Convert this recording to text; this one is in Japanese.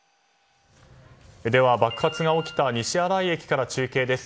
では、爆発が起きた西新井駅から中継です。